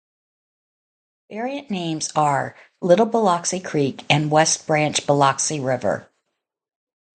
Variant names are "Little Biloxi Creek" and "West Branch Biloxi River".